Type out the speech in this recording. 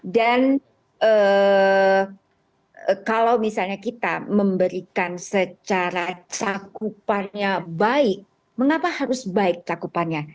dan kalau misalnya kita memberikan secara cakupannya baik mengapa harus baik cakupannya